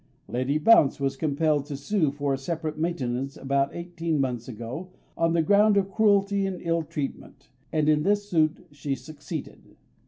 Lady Bounce was compelled to sue for a separate maintenance about eighteen months ago, on the ground of cruelty and ill treatment; and in this suit she succeeded.